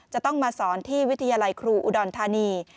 จะต้องมาสอนที่วิทยาลัยครูอุดรธานี